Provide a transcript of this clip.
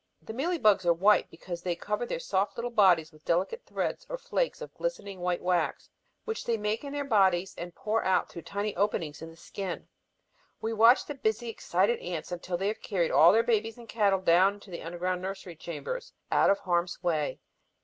The mealy bugs are white because they cover their soft little bodies with delicate threads or flakes of glistening white wax which they make in their bodies and pour out through tiny openings in the skin. We watch the busy, excited ants until they have carried all their babies and cattle down into the underground nursery chambers, out of harm's way.